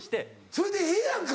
それでええやんか。